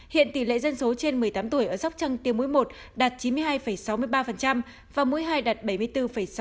hiện tỷ lệ dân số trên một mươi tám tuổi ở sóc trăng tiêu mũi một đạt chín mươi hai sáu mươi ba và mũi hai đạt bảy mươi bốn sáu